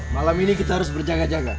malam ini kita harus berjaga jaga